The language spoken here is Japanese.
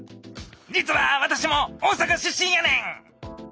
実は私も大阪出身やねん！